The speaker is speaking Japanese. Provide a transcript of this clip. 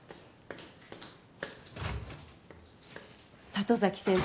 里崎先生